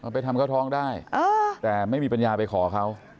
ไปทำก็ท้องได้แต่ไม่มีปัญญาไปขอเขา